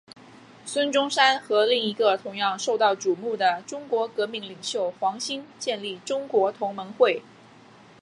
孙中山和另一个同样受到瞩目的中国革命领袖黄兴建立中国同盟会。